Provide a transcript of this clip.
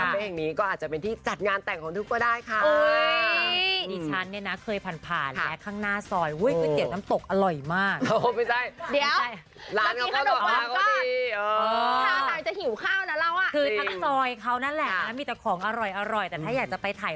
เพลงนี้ก็อาจจะเป็นที่จัดงานแต่งของทุกก็ได้ค่ะ